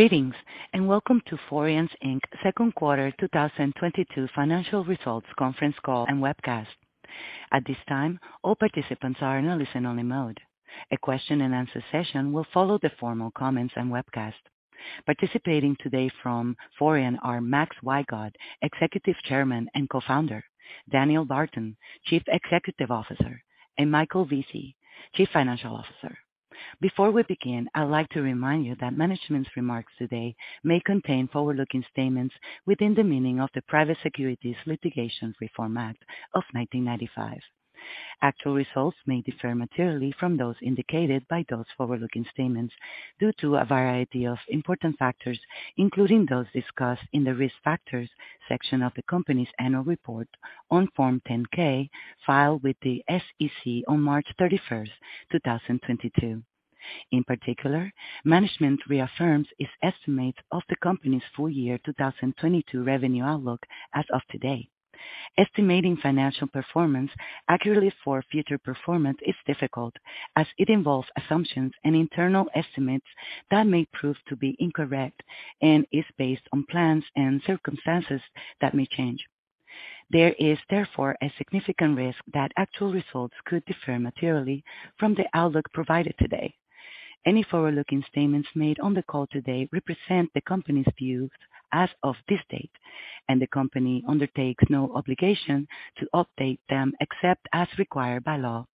Greetings, welcome to Forian Inc.'s second quarter 2022 financial results conference call and webcast. At this time, all participants are in a listen-only mode. A question-and-answer session will follow the formal comments and webcast. Participating today from Forian are Max Wygod, Executive Chairman and Co-founder; Daniel Barton, Chief Executive Officer; and Michael Vesey, Chief Financial Officer. Before we begin, I'd like to remind you that management's remarks today may contain forward-looking statements within the meaning of the Private Securities Litigation Reform Act of 1995. Actual results may differ materially from those indicated by those forward-looking statements due to a variety of important factors, including those discussed in the Risk Factors section of the company's Annual Report on Form 10-K, filed with the SEC on March 31, 2022. In particular, management reaffirms its estimates of the company's full year 2022 revenue outlook as of today. Estimating financial performance accurately for future performance is difficult, as it involves assumptions and internal estimates that may prove to be incorrect, and is based on plans and circumstances that may change. There is, therefore, a significant risk that actual results could differ materially from the outlook provided today. Any forward-looking statements made on the call today represent the company's views as of this date, and the company undertakes no obligation to update them except as required by law.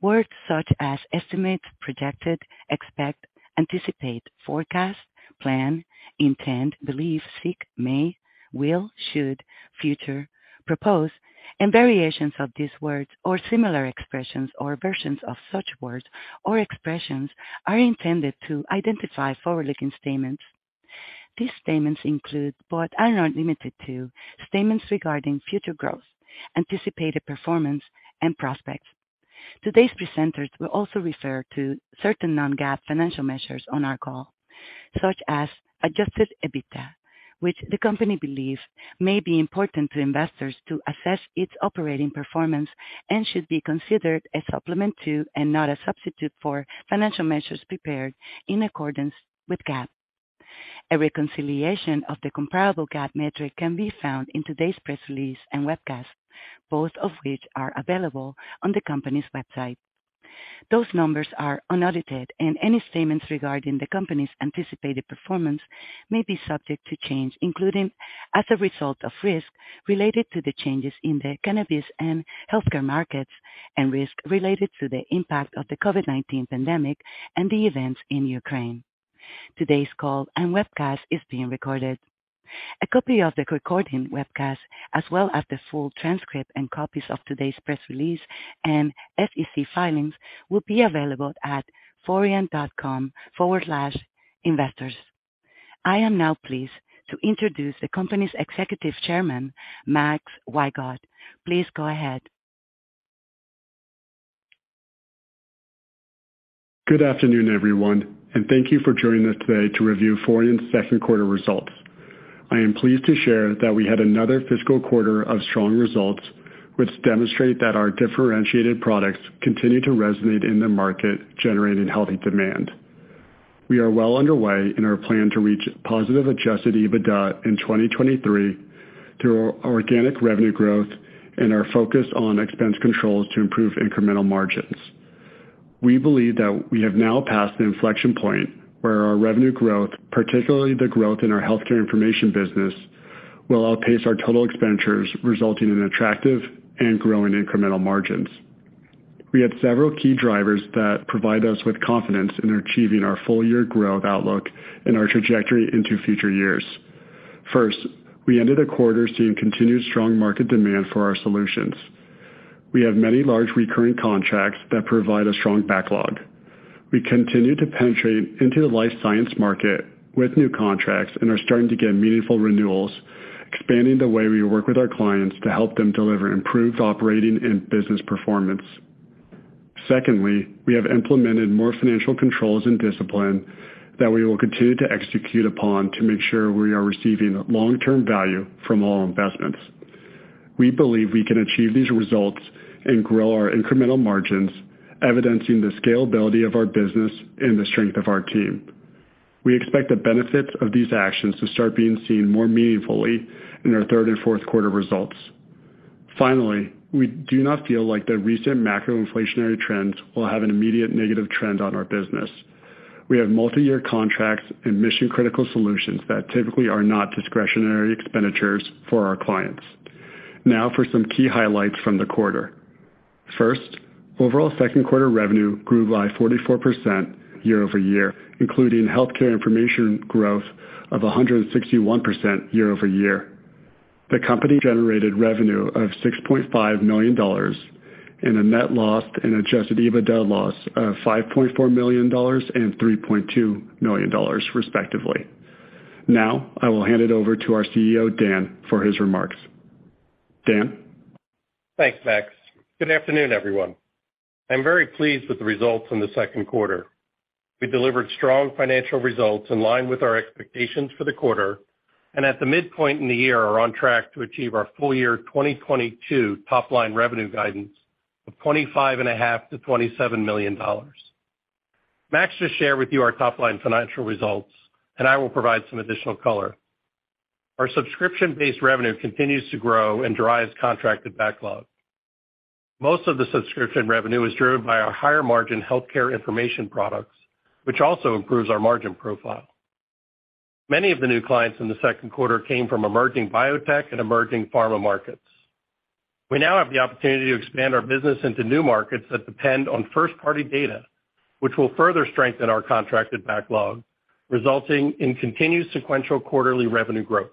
Words such as estimate, projected, expect, anticipate, forecast, plan, intend, believe, seek, may, will, should, future, propose, and variations of these words or similar expressions or versions of such words or expressions are intended to identify forward-looking statements. These statements include, but are not limited to, statements regarding future growth, anticipated performance, and prospects. Today's presenters will also refer to certain non-GAAP financial measures on our call, such as adjusted EBITDA, which the company believes may be important to investors to assess its operating performance and should be considered a supplement to, and not a substitute for, financial measures prepared in accordance with GAAP. A reconciliation of the comparable GAAP metric can be found in today's press release and webcast, both of which are available on the company's website. Those numbers are unaudited, and any statements regarding the company's anticipated performance may be subject to change, including as a result of risk related to the changes in the cannabis and healthcare markets and risk related to the impact of the COVID-19 pandemic and the events in Ukraine. Today's call and webcast is being recorded. A copy of the recording webcast, as well as the full transcript and copies of today's press release and SEC filings, will be available at forian.com/investors. I am now pleased to introduce the company's Executive Chairman, Max Wygod. Please go ahead. Good afternoon, everyone, and thank you for joining us today to review Forian's second quarter results. I am pleased to share that we had another fiscal quarter of strong results, which demonstrate that our differentiated products continue to resonate in the market, generating healthy demand. We are well underway in our plan to reach positive adjusted EBITDA in 2023 through our organic revenue growth and our focus on expense controls to improve incremental margins. We believe that we have now passed the inflection point where our revenue growth, particularly the growth in our healthcare information business, will outpace our total expenditures, resulting in attractive and growing incremental margins. We have several key drivers that provide us with confidence in achieving our full year growth outlook and our trajectory into future years. First, we ended the quarter seeing continued strong market demand for our solutions. We have many large recurring contracts that provide a strong backlog. We continue to penetrate into the life science market with new contracts and are starting to get meaningful renewals, expanding the way we work with our clients to help them deliver improved operating and business performance. Secondly, we have implemented more financial controls and discipline that we will continue to execute upon to make sure we are receiving long-term value from all investments. We believe we can achieve these results and grow our incremental margins, evidencing the scalability of our business and the strength of our team. We expect the benefits of these actions to start being seen more meaningfully in our third and fourth quarter results. Finally, we do not feel like the recent macro inflationary trends will have an immediate negative trend on our business. We have multi-year contracts and mission-critical solutions that typically are not discretionary expenditures for our clients. Now for some key highlights from the quarter. First, overall second quarter revenue grew by 44% year-over-year, including healthcare information growth of 161% year-over-year. The company generated revenue of $6.5 million and a net loss and adjusted EBITDA loss of $5.4 million and $3.2 million, respectively. Now, I will hand it over to our CEO, Dan, for his remarks. Dan? Thanks, Max. Good afternoon, everyone. I'm very pleased with the results in the second quarter. We delivered strong financial results in line with our expectations for the quarter. At the midpoint in the year, we are on track to achieve our full year 2022 top line revenue guidance of $25.5 million-$27 million. Max just shared with you our top line financial results, and I will provide some additional color. Our subscription-based revenue continues to grow and drives contracted backlog. Most of the subscription revenue is driven by our higher margin healthcare information products, which also improves our margin profile. Many of the new clients in the second quarter came from emerging biotech and emerging pharma markets. We now have the opportunity to expand our business into new markets that depend on first-party data, which will further strengthen our contracted backlog, resulting in continued sequential quarterly revenue growth.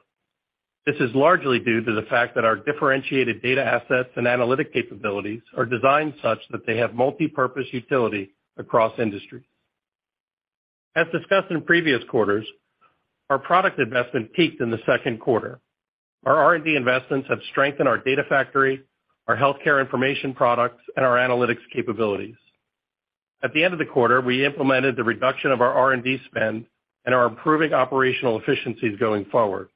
This is largely due to the fact that our differentiated data assets and analytic capabilities are designed such that they have multipurpose utility across industries. As discussed in previous quarters, our product investment peaked in the second quarter. Our R&D investments have strengthened our data factory, our healthcare information products, and our analytics capabilities. At the end of the quarter, we implemented the reduction of our R&D spend and are improving operational efficiencies going forward.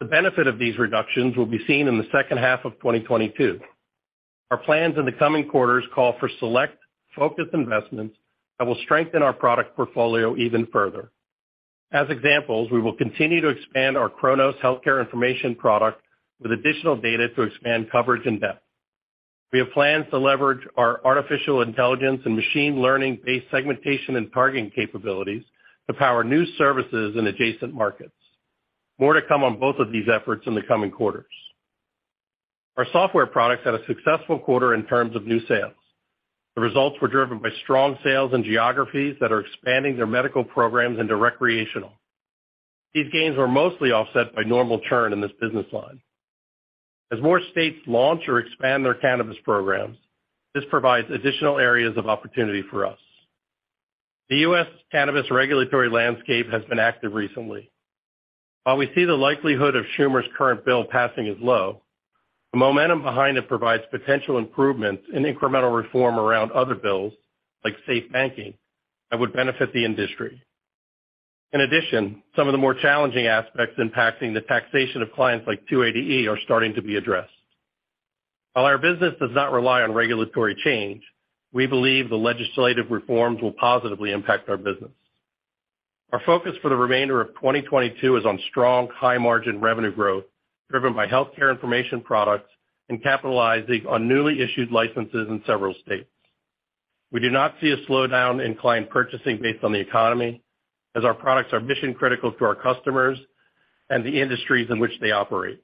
The benefit of these reductions will be seen in the second half of 2022. Our plans in the coming quarters call for select, focused investments that will strengthen our product portfolio even further. As examples, we will continue to expand our CHRONOS healthcare information product with additional data to expand coverage and depth. We have plans to leverage our artificial intelligence and machine learning-based segmentation and targeting capabilities to power new services in adjacent markets. More to come on both of these efforts in the coming quarters. Our software products had a successful quarter in terms of new sales. The results were driven by strong sales and geographies that are expanding their medical programs into recreational. These gains were mostly offset by normal churn in this business line. As more states launch or expand their cannabis programs, this provides additional areas of opportunity for us. The U.S. cannabis regulatory landscape has been active recently. While we see the likelihood of Schumer's current bill passing is low, the momentum behind it provides potential improvements in incremental reform around other bills, like SAFE Banking, that would benefit the industry. In addition, some of the more challenging aspects impacting the taxation of clients like 280E are starting to be addressed. While our business does not rely on regulatory change, we believe the legislative reforms will positively impact our business. Our focus for the remainder of 2022 is on strong, high-margin revenue growth driven by healthcare information products and capitalizing on newly issued licenses in several states. We do not see a slowdown in client purchasing based on the economy, as our products are mission-critical to our customers and the industries in which they operate.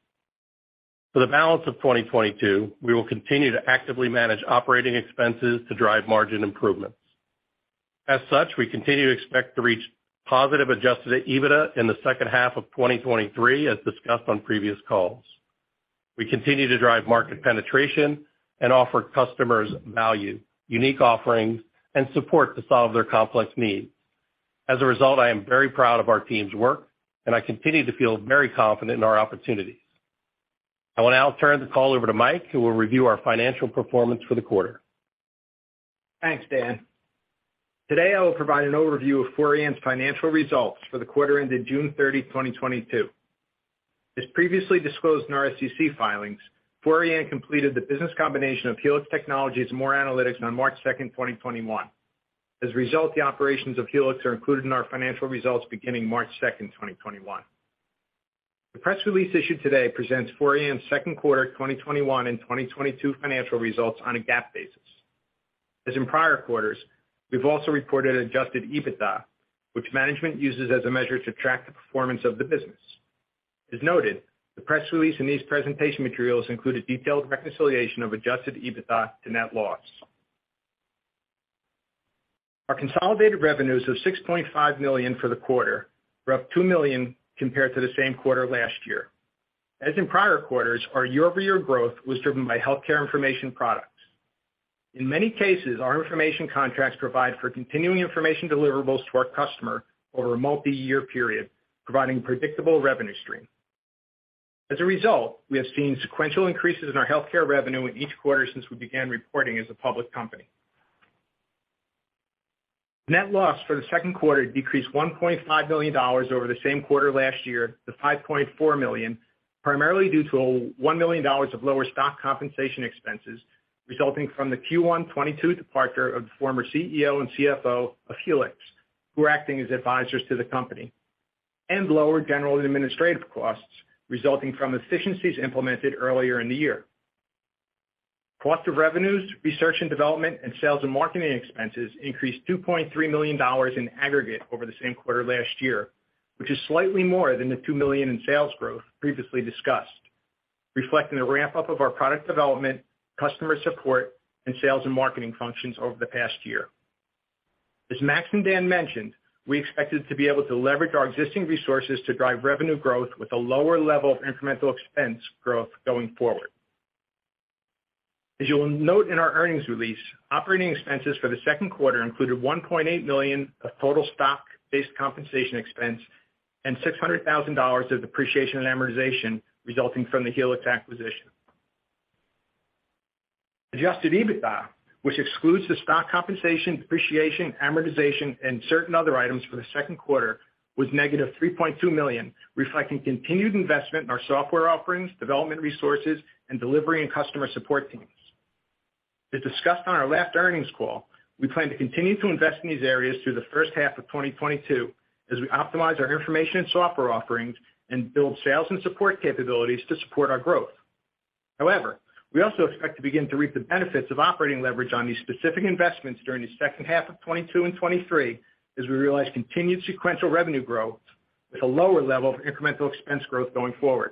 For the balance of 2022, we will continue to actively manage operating expenses to drive margin improvements. As such, we continue to expect to reach positive adjusted EBITDA in the second half of 2023, as discussed on previous calls. We continue to drive market penetration and offer customers value, unique offerings, and support to solve their complex needs. As a result, I am very proud of our team's work, and I continue to feel very confident in our opportunities. I will now turn the call over to Mike, who will review our financial performance for the quarter. Thanks, Dan. Today, I will provide an overview of Forian's financial results for the quarter ended June 30, 2022. As previously disclosed in our SEC filings, Forian completed the business combination of Helix Technologies and MORE Analytics on March 2, 2021. As a result, the operations of Helix are included in our financial results beginning March 2, 2021. The press release issued today presents Forian's second quarter 2021 and 2022 financial results on a GAAP basis. As in prior quarters, we've also reported adjusted EBITDA, which management uses as a measure to track the performance of the business. As noted, the press release in these presentation materials includes a detailed reconciliation of adjusted EBITDA to net loss. Our consolidated revenues of $6.5 million for the quarter were up $2 million compared to the same quarter last year. As in prior quarters, our year-over-year growth was driven by healthcare information products. In many cases, our information contracts provide for continuing information deliverables to our customer over a multiyear period, providing predictable revenue stream. As a result, we have seen sequential increases in our healthcare revenue in each quarter since we began reporting as a public company. Net loss for the second quarter decreased $1.5 million over the same quarter last year to $5.4 million, primarily due to $1 million of lower stock compensation expenses resulting from the Q1 2022 departure of the former CEO and CFO of Helix, who are acting as advisors to the company, and lower general and administrative costs resulting from efficiencies implemented earlier in the year. Cost of revenues, research and development, and sales and marketing expenses increased $2.3 million in aggregate over the same quarter last year, which is slightly more than the $2 million in sales growth previously discussed, reflecting the ramp-up of our product development, customer support, and sales and marketing functions over the past year. As Max and Dan mentioned, we expected to be able to leverage our existing resources to drive revenue growth with a lower level of incremental expense growth going forward. As you will note in our earnings release, operating expenses for the second quarter included $1.8 million of total stock-based compensation expense and $600,000 of depreciation and amortization resulting from the Helix acquisition. Adjusted EBITDA, which excludes the stock compensation, depreciation, amortization, and certain other items for the second quarter, was negative $3.2 million, reflecting continued investment in our software offerings, development resources, and delivery and customer support teams. As discussed on our last earnings call, we plan to continue to invest in these areas through the first half of 2022 as we optimize our information and software offerings and build sales and support capabilities to support our growth. However, we also expect to begin to reap the benefits of operating leverage on these specific investments during the second half of 2022 and 2023 as we realize continued sequential revenue growth with a lower level of incremental expense growth going forward.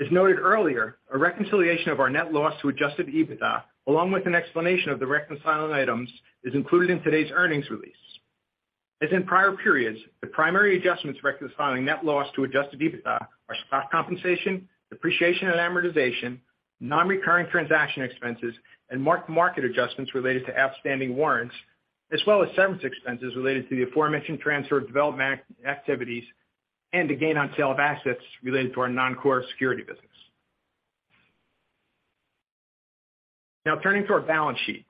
As noted earlier, a reconciliation of our net loss to Adjusted EBITDA, along with an explanation of the reconciling items, is included in today's earnings release. As in prior periods, the primary adjustments to reconciling net loss to Adjusted EBITDA are stock compensation, depreciation and amortization, non-recurring transaction expenses, and mark-to-market adjustments related to outstanding warrants, as well as severance expenses related to the aforementioned transfer of development activities and the gain on sale of assets related to our non-core security business. Now turning to our balance sheet.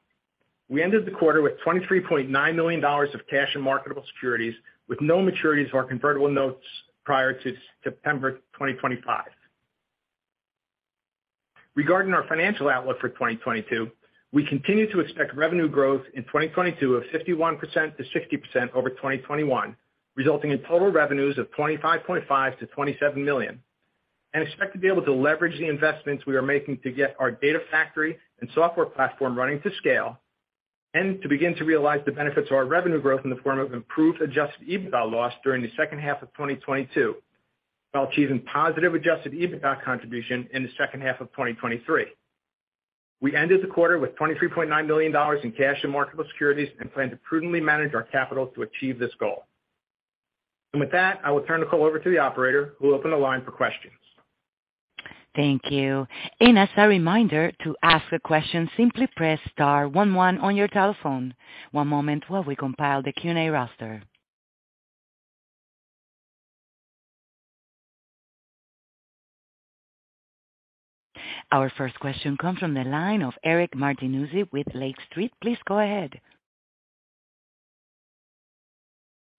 We ended the quarter with $23.9 million of cash and marketable securities, with no maturities of our convertible notes prior to September 2025. Regarding our financial outlook for 2022, we continue to expect revenue growth in 2022 of 51%-60% over 2021, resulting in total revenues of $25.5 million-$27 million, and expect to be able to leverage the investments we are making to get our data factory and software platform running to scale and to begin to realize the benefits of our revenue growth in the form of improved Adjusted EBITDA loss during the second half of 2022, while achieving positive Adjusted EBITDA contribution in the second half of 2023. We ended the quarter with $23.9 million in cash and marketable securities and plan to prudently manage our capital to achieve this goal. With that, I will turn the call over to the operator, who will open the line for questions. Thank you. As a reminder to ask a question, simply press star one one on your telephone. One moment while we compile the Q&A roster. Our first question comes from the line of Eric Martinuzzi with Lake Street. Please go ahead.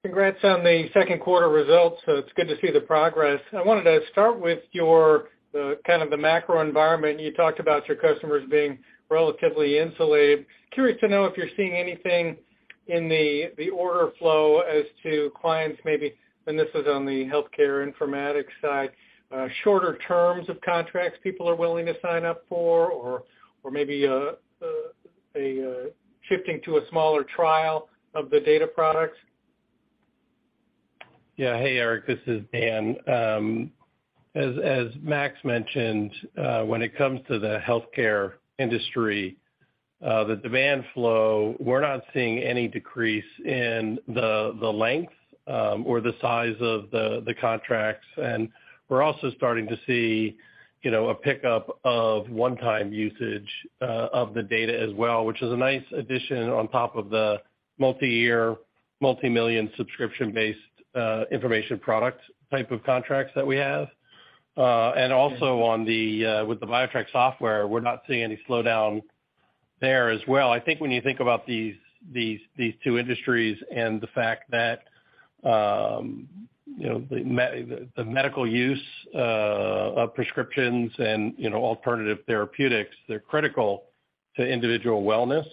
Congrats on the second quarter results. It's good to see the progress. I wanted to start with the kind of macro environment. You talked about your customers being relatively insulated. Curious to know if you're seeing anything in the order flow as to clients maybe, and this is on the healthcare informatics side, shorter terms of contracts people are willing to sign up for or maybe shifting to a smaller trial of the data products. Yeah. Hey, Eric, this is Dan. As Max mentioned, when it comes to the healthcare industry, the demand flow, we're not seeing any decrease in the length or the size of the contracts. We're also starting to see, you know, a pickup of one-time usage of the data as well, which is a nice addition on top of the multiyear, multimillion subscription-based information product type of contracts that we have. Also with the BioTrack software, we're not seeing any slowdown there as well. I think when you think about these two industries and the fact that the medical use of prescriptions and alternative therapeutics, they're critical to individual wellness.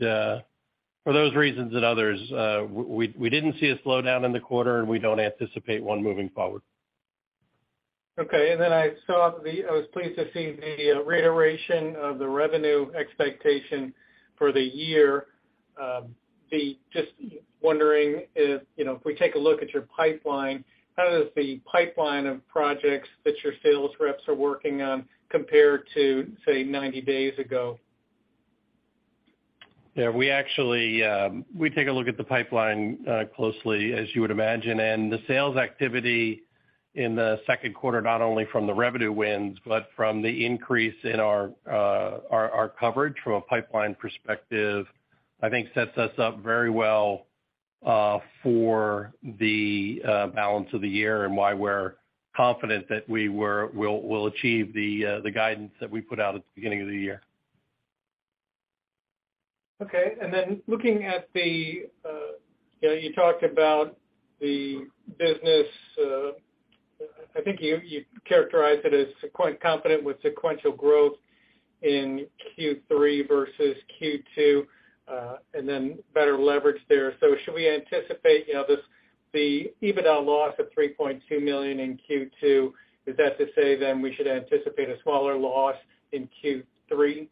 For those reasons and others, we didn't see a slowdown in the quarter, and we don't anticipate one moving forward. Okay. I was pleased to see the reiteration of the revenue expectation for the year. Just wondering if, you know, if we take a look at your pipeline, how does the pipeline of projects that your sales reps are working on compare to, say, 90 days ago? Yeah, we actually take a look at the pipeline closely, as you would imagine. The sales activity in the second quarter, not only from the revenue wins, but from the increase in our coverage from a pipeline perspective, I think sets us up very well, for the balance of the year and why we're confident that we will achieve the guidance that we put out at the beginning of the year. Okay. Looking at the, you know, you talked about the business, I think you characterized it as quite confident with sequential growth in Q3 versus Q2, and then better leverage there. Should we anticipate, you know, this, the EBITDA loss of $3.2 million in Q2? Is that to say then we should anticipate a smaller loss in Q3? Hey,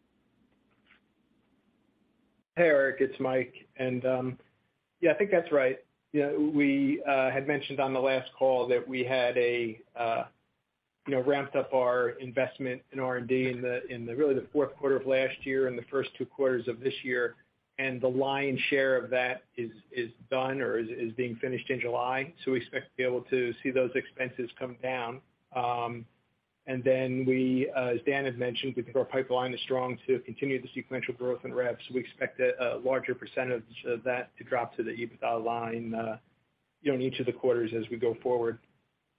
Eric, it's Mike. Yeah, I think that's right. You know, we had mentioned on the last call that we had you know, ramped up our investment in R&D in really the fourth quarter of last year and the first two quarters of this year, and the lion's share of that is done or is being finished in July. We expect to be able to see those expenses come down. We, as Dan had mentioned, we think our pipeline is strong to continue the sequential growth in reps. We expect a larger percentage of that to drop to the EBITDA line. You know, in each of the quarters as we go forward,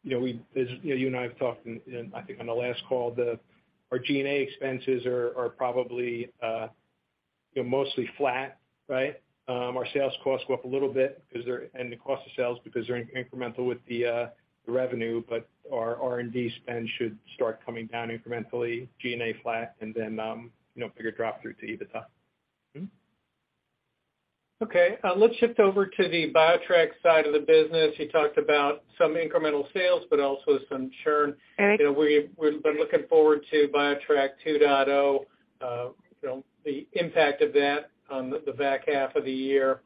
you know, as you and I have talked in, I think, on the last call, our G&A expenses are probably, you know, mostly flat, right? Our sales costs go up a little bit 'cause they're incremental and the cost of sales because they're incremental with the revenue. Our R&D spend should start coming down incrementally, G&A flat, and then, you know, bigger drop through to EBITDA. Okay. Let's shift over to the BioTrack side of the business. You talked about some incremental sales, but also some churn. You know, we've been looking forward to BioTrack 2.0, you know, the impact of that on the back half of the year.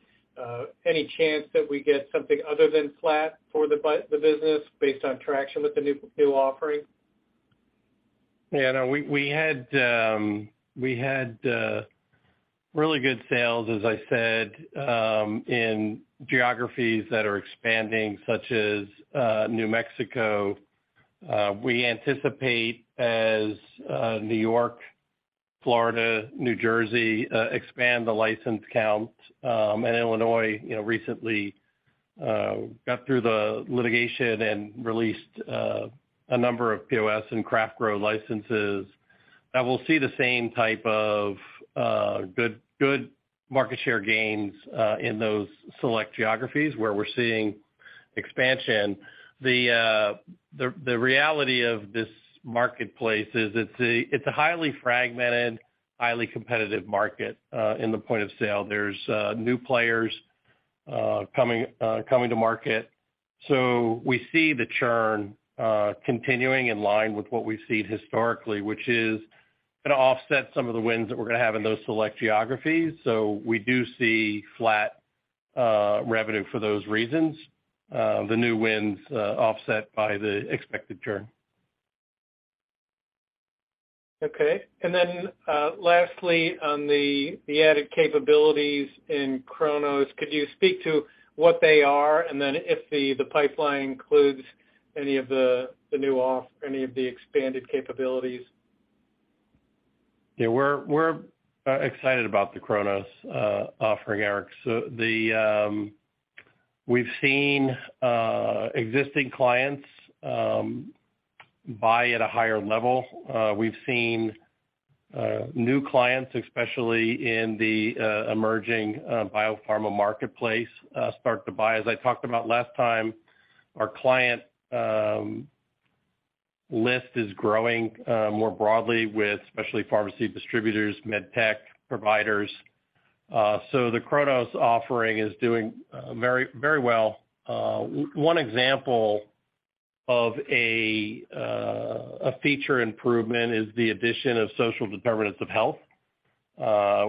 Any chance that we get something other than flat for the business based on traction with the new offering? Yeah, no. We had really good sales, as I said, in geographies that are expanding, such as New Mexico. We anticipate as New York, Florida, New Jersey expand the license count, and Illinois, you know, recently got through the litigation and released a number of POS and craft grow licenses, that we'll see the same type of good market share gains in those select geographies where we're seeing expansion. The reality of this marketplace is it's a highly fragmented, highly competitive market in the point of sale. There's new players coming to market. We see the churn continuing in line with what we've seen historically, which is gonna offset some of the wins that we're gonna have in those select geographies. We do see flat revenue for those reasons. The new wins offset by the expected churn. Okay. Lastly, on the added capabilities in Chrono, could you speak to what they are? If the pipeline includes any of the expanded capabilities? Yeah. We're excited about the Chrono offering, Eric. We've seen existing clients buy at a higher level. We've seen new clients, especially in the emerging biopharma marketplace, start to buy. As I talked about last time, our client list is growing more broadly with especially pharmacy distributors, med tech providers. The Chrono offering is doing very well. One example of a feature improvement is the addition of social determinants of health,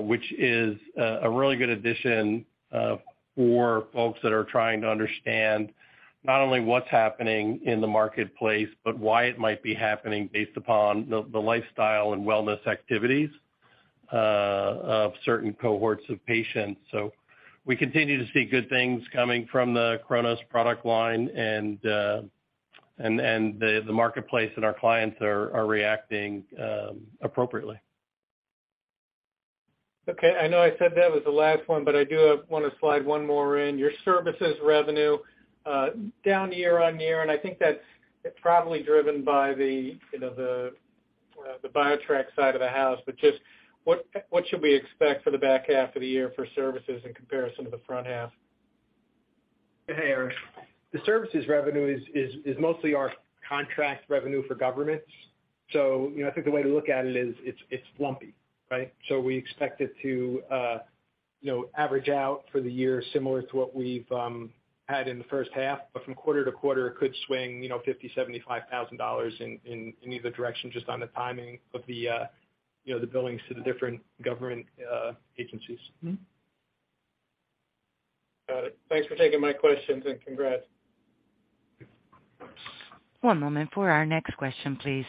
which is a really good addition for folks that are trying to understand not only what's happening in the marketplace, but why it might be happening based upon the lifestyle and wellness activities of certain cohorts of patients. We continue to see good things coming from the Chrono product line and the marketplace and our clients are reacting appropriately. Okay. I know I said that was the last one, but I do wanna slide one more in. Your services revenue down year-over-year, and I think that's probably driven by the, you know, the BioTrack side of the house. Just what should we expect for the back half of the year for services in comparison to the front half? Hey, Eric. The services revenue is mostly our contract revenue for governments. You know, I think the way to look at it is it's lumpy, right? We expect it to, you know, average out for the year similar to what we've had in the first half. From quarter to quarter, it could swing, you know, $50,000-$75,000 in either direction just on the timing of the, you know, the billings to the different government agencies. Got it. Thanks for taking my questions, and congrats. One moment for our next question, please.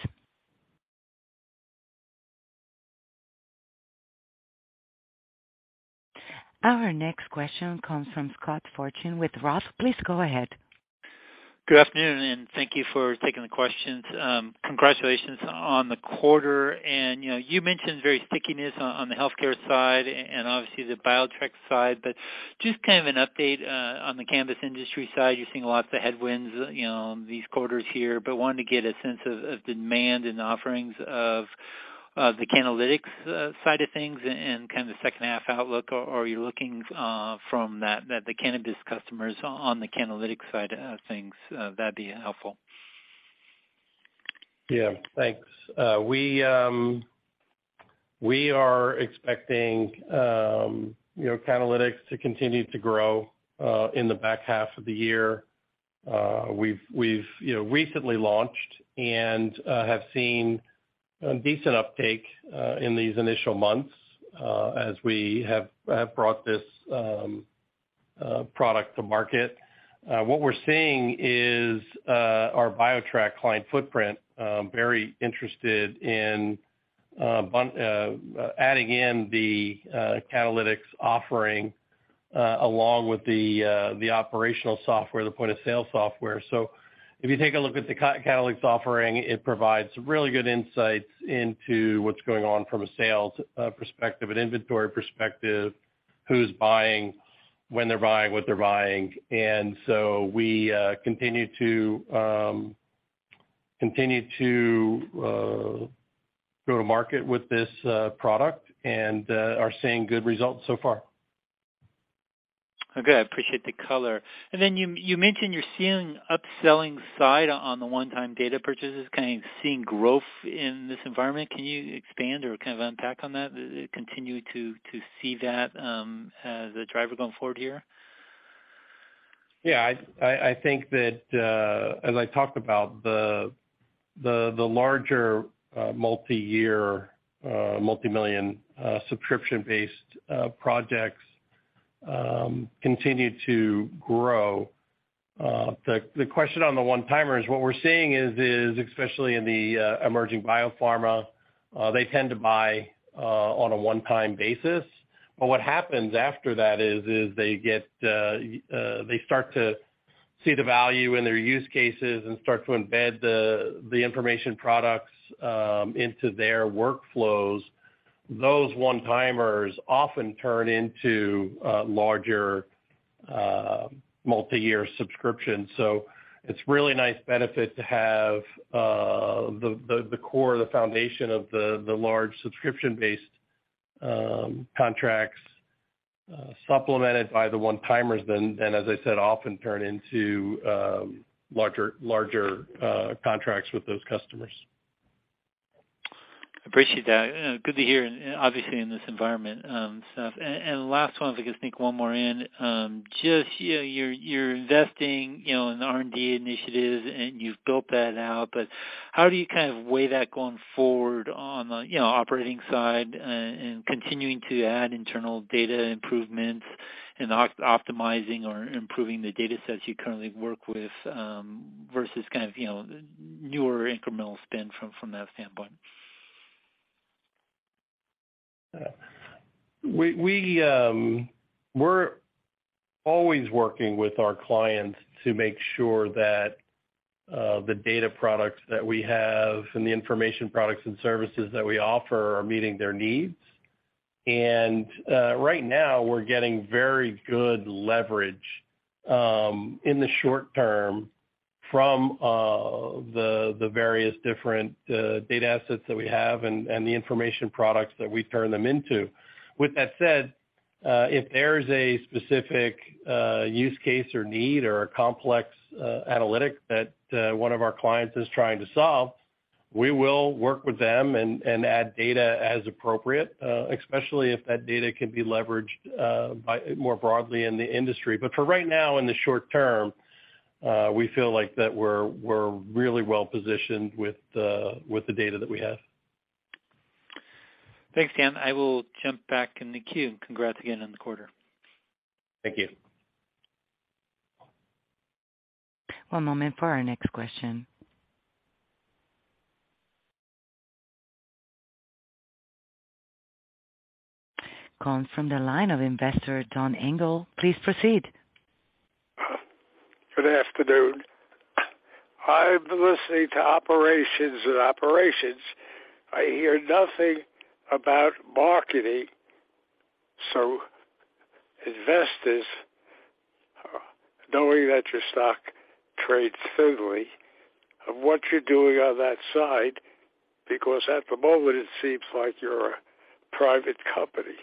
Our next question comes from Scott Fortune with Roth. Please go ahead. Good afternoon, and thank you for taking the questions. Congratulations on the quarter. You know, you mentioned very stickiness on the healthcare side and, obviously, the BioTrack side, but just kind of an update on the cannabis industry side. You're seeing lots of headwinds, you know, on these quarters here, but wanted to get a sense of demand and offerings of the Cannalytics side of things and, kind of, second half outlook. Are you looking for that from the cannabis customers on the Cannalytics side of things? That'd be helpful. Yeah, thanks. We are expecting, you know, Cannalytics to continue to grow in the back half of the year. We've you know, recently launched and have seen decent uptake in these initial months as we have brought this product to market. What we're seeing is our BioTrack client footprint very interested in adding in the Cannalytics offering along with the operational software, the point of sale software. If you take a look at the Cannalytics offering, it provides really good insights into what's going on from a sales perspective, an inventory perspective, who's buying, when they're buying, what they're buying. We continue to go to market with this product and are seeing good results so far. Okay. I appreciate the color. You mentioned you're seeing upselling side on the one-time data purchases. Kind of seeing growth in this environment. Can you expand or kind of unpack on that? Do you continue to see that as a driver going forward here? Yeah, I think that, as I talked about the larger multi-year multi-million subscription-based projects continue to grow. The question on the one-timers, what we're seeing is especially in the emerging biopharma, they tend to buy on a one-time basis. What happens after that is they get they start to see the value in their use cases and start to embed the information products into their workflows. Those one-timers often turn into larger multi-year subscriptions. It's really nice benefit to have the core the foundation of the large subscription-based contracts supplemented by the one-timers then as I said, often turn into larger contracts with those customers. Appreciate that. Good to hear obviously in this environment, stuff. Last one, if I could sneak one more in. Just, you know, you're investing, you know, in R&D initiatives and you've built that out, but how do you kind of weigh that going forward on the, you know, operating side and continuing to add internal data improvements and optimizing or improving the data sets you currently work with, versus kind of, you know, newer incremental spend from that standpoint? We're always working with our clients to make sure that the data products that we have and the information products and services that we offer are meeting their needs. Right now, we're getting very good leverage in the short term from the various different data assets that we have and the information products that we turn them into. With that said, if there's a specific use case or need or a complex analytic that one of our clients is trying to solve, we will work with them and add data as appropriate, especially if that data can be leveraged by more broadly in the industry. For right now, in the short term, we feel like that we're really well positioned with the data that we have. Thanks, Dan. I will jump back in the queue. Congrats again on the quarter. Thank you. One moment for our next question. Calling from the line of investor Don Angell. Please proceed. Good afternoon. I'm listening to operations. I hear nothing about marketing, so investors, knowing that your stock trades thinly of what you're doing on that side, because at the moment it seems like you're a private company.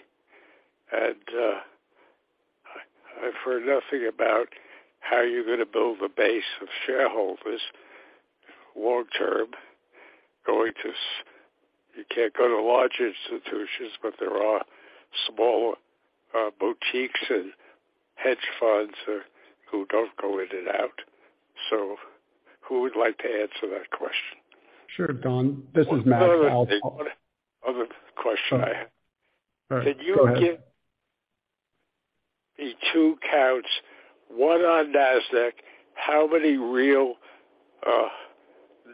I've heard nothing about how you're gonna build a base of shareholders long term. You can't go to large institutions, but there are small boutiques and hedge funds who don't go in and out. Who would like to answer that question? Sure, Don, this is Max. One other thing. One other question I have. All right, go ahead. Can you give me two counts, one on Nasdaq, how many real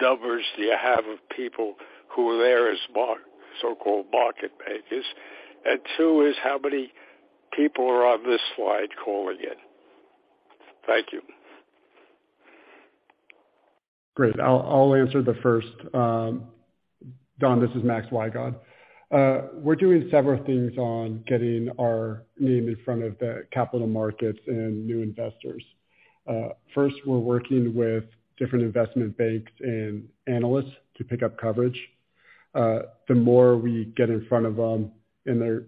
numbers do you have of people who are there as so-called market makers? Two is, how many people are on this slide calling in? Thank you. Great. I'll answer the first. Don, this is Max Wygod. We're doing several things on getting our name in front of the capital markets and new investors. First, we're working with different investment banks and analysts to pick up coverage. The more we get in front of them, and they're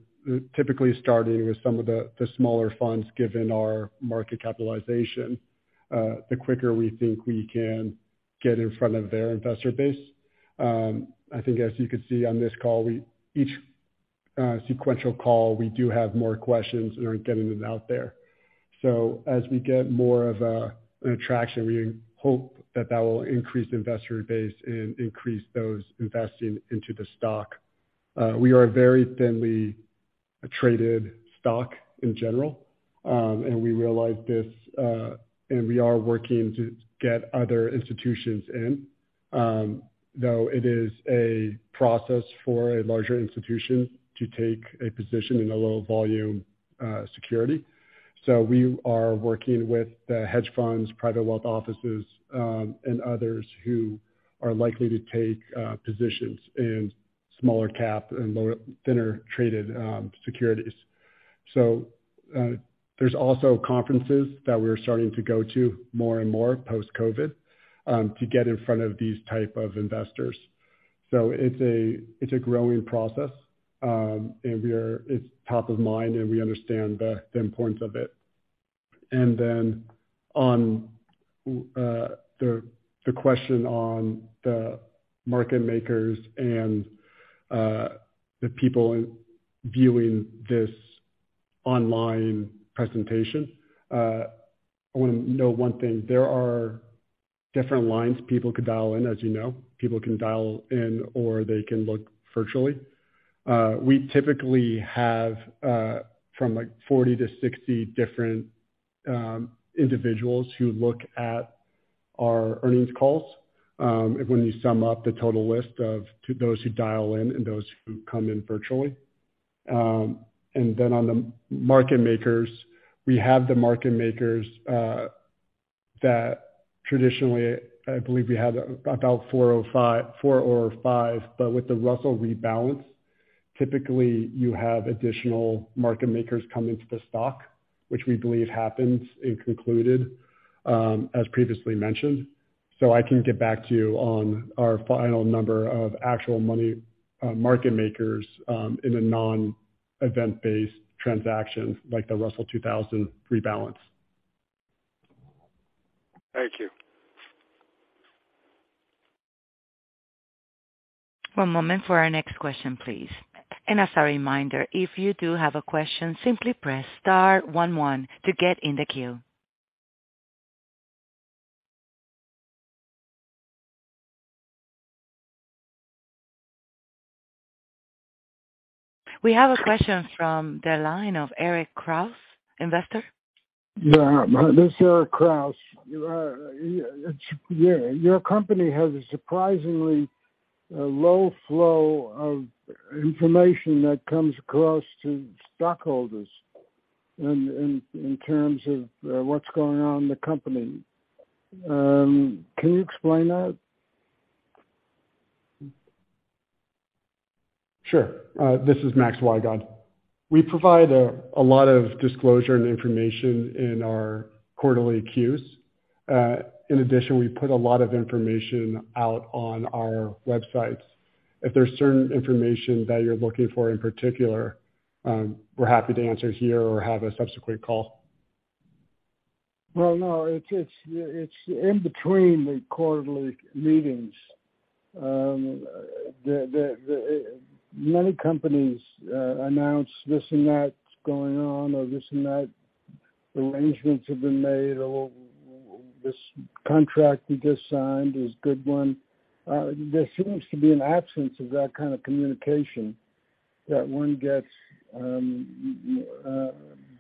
typically starting with some of the smaller funds given our market capitalization, the quicker we think we can get in front of their investor base. I think as you can see on this call, each sequential call, we do have more questions and are getting them out there. So as we get more of an attraction, we hope that that will increase investor base and increase those investing into the stock. We are a very thinly traded stock in general, and we realize this, and we are working to get other institutions in. Though it is a process for a larger institution to take a position in a low volume security. We are working with the hedge funds, private wealth offices, and others who are likely to take positions in small-cap and thinner traded securities. There's also conferences that we're starting to go to more and more post-COVID to get in front of these type of investors. It's a growing process. It's top of mind, and we understand the importance of it. On the question on the market makers and the people viewing this online presentation. I wanna note one thing. There are different lines people could dial in, as you know. People can dial in or they can look virtually. We typically have from like 40-60 different individuals who look at our earnings calls when you sum up the total list of those who dial in and those who come in virtually. On the market makers, we have the market makers that traditionally I believe we have about 4 or 5, but with the Russell 2000 rebalance, typically you have additional market makers come into the stock, which we believe happens and concluded, as previously mentioned. I can get back to you on our final number of actual money market makers in a non-event-based transaction like the Russell 2000 rebalance. Thank you. One moment for our next question, please. As a reminder, if you do have a question, simply press star one one to get in the queue. We have a question from the line of Eric Kraus, investor. This is Eric Kraus. Your company has a surprisingly low flow of information that comes across to stockholders in terms of what's going on in the company. Can you explain that? Sure. This is Max Wygod. We provide a lot of disclosure and information in our quarterly 10-Qs. In addition, we put a lot of information out on our websites. If there's certain information that you're looking for in particular, we're happy to answer here or have a subsequent call. Well, no, it's in between the quarterly meetings that many companies announce this and that's going on or this and that arrangements have been made or this contract we just signed is a good one. There seems to be an absence of that kind of communication that one gets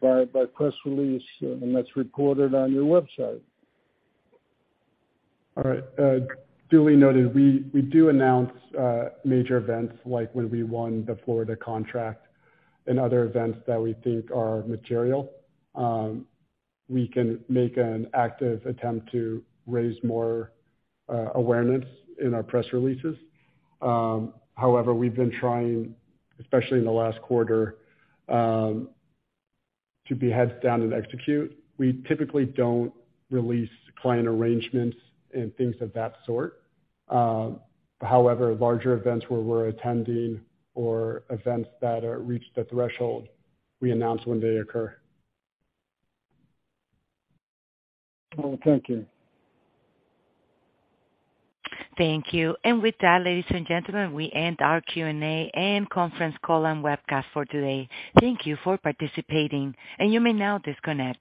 by press release and that's reported on your website. All right. Duly noted, we do announce major events like when we won the Florida contract and other events that we think are material. We can make an active attempt to raise more awareness in our press releases. However, we've been trying, especially in the last quarter, to be heads down and execute. We typically don't release client arrangements and things of that sort. However, larger events where we're attending or events that reach the threshold, we announce when they occur. Oh, thank you. Thank you. With that, ladies and gentlemen, we end our Q&A and conference call and webcast for today. Thank you for participating, and you may now disconnect.